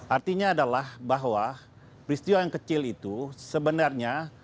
artinya adalah bahwa peristiwa yang kecil itu sebenarnya